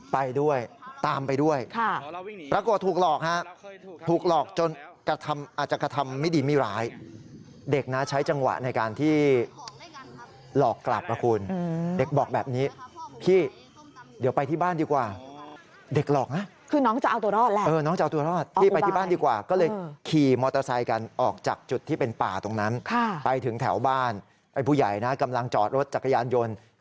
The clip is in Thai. ไปด้วยตามไปด้วยปรากฏถูกหลอกฮะถูกหลอกจนกระทำอาจจะกระทำไม่ดีไม่ร้ายเด็กนะใช้จังหวะในการที่หลอกกลับนะคุณเด็กบอกแบบนี้พี่เดี๋ยวไปที่บ้านดีกว่าเด็กหลอกนะคือน้องจะเอาตัวรอดแล้วน้องจะเอาตัวรอดพี่ไปที่บ้านดีกว่าก็เลยขี่มอเตอร์ไซค์กันออกจากจุดที่เป็นป่าตรงนั้นไปถึงแถวบ้านไอ้ผู้ใหญ่นะกำลังจอดรถจักรยานยนต์